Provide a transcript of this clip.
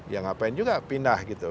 ya ngapain juga pindah gitu